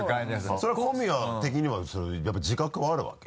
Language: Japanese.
それ小宮的にはそれはやっぱり自覚はあるわけ？